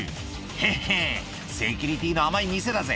「ヘッヘセキュリティーの甘い店だぜ」